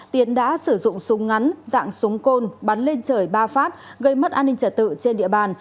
tiến đã sử dụng súng ngắn dạng súng côn bắn lên trời ba phát gây mất an ninh trả tự trên địa bàn